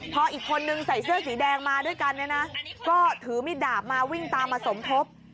พออีกคนนึงใส่เสื้อสีแดงมาด้วยกันเนี่ยนะก็ถือมีดดาบมาวิ่งตามมาสมทบ